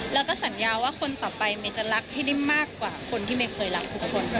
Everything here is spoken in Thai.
แล้วก็สัญญาว่าคนต่อไปเมย์จะรักให้ได้มากกว่าคนที่เมย์เคยรักทุกคน